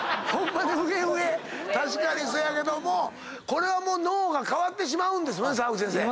確かにそやけどもこれは脳が変わってしまうんですね。